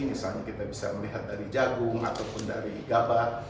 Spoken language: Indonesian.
misalnya kita bisa melihat dari jagung ataupun dari gabah